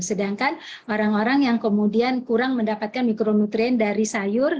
sedangkan orang orang yang kemudian kurang mendapatkan mikronutrien dari sayur